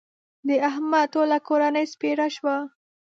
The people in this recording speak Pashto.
د احمد ټوله کورنۍ سپېره شوه.